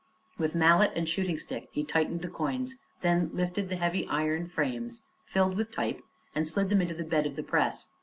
With mallet and shooting stick he tightened the quoins, then lifted the heavy iron frames filled with type and slid them onto the bed of the press.